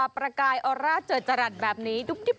ประกายออร่าเจิดจรัสแบบนี้